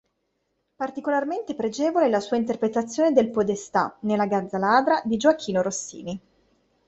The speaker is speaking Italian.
Particolarmente pregevole la sua interpretazione del Podestà ne "La gazza ladra" di Gioachino Rossini.